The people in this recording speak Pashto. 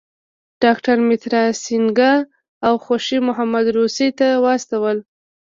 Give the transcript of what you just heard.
ډاکټر مترا سینګه او خوشي محمد روسیې ته واستول.